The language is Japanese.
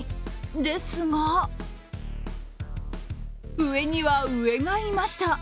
ですが、上には上がいました。